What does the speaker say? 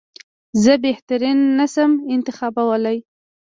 زه بهترین نه شم انتخابولای.